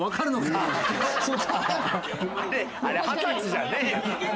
あれ二十歳じゃねえよ。